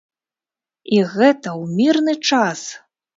І гэта ў мірны час!